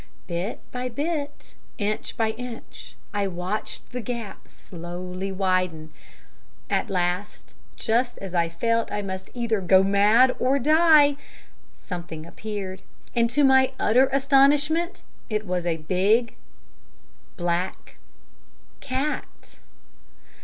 Bit by bit, inch by inch, I watched the gap slowly widen. At last, just as I felt I must either go mad or die, something appeared and, to my utter astonishment, it was a big, black cat!